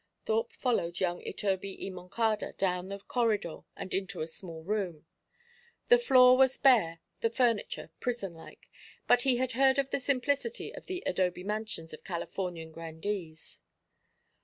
Thorpe followed young Iturbi y Moncada down the corridor and into a small room. The floor was bare, the furniture prison like; but he had heard of the simplicity of the adobe mansions of Californian grandees.